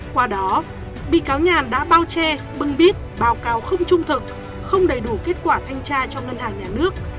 qua đó bị cáo nhàn đã bao che bưng bít báo cáo không trung thực không đầy đủ kết quả thanh tra cho ngân hàng nhà nước